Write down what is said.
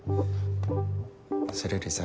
それよりさ